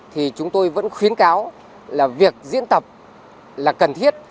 thì chúng tôi vẫn khuyến cáo là việc diễn tập là cần thiết